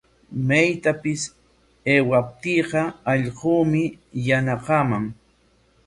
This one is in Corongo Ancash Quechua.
Maytapis aywaptiiqa allquumi yanaqaman.